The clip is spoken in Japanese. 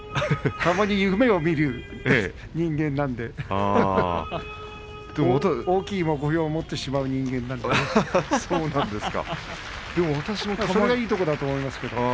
たまに夢をみる人間なので大きい目標を持ってしまう人間なのでそれがいいところだと思いますけれど。